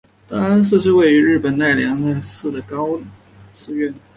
大安寺是位在日本奈良县奈良市的高野山真言宗寺院。